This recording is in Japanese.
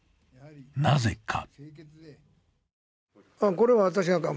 なぜか？